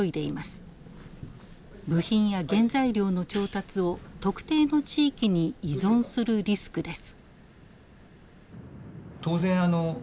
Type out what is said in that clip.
部品や原材料の調達を特定の地域に依存するリスクです。